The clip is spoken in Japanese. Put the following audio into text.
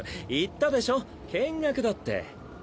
言ったでしょ見学だって。